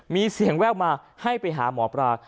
มีเสียงแววมาให้ไปหาหมอปลา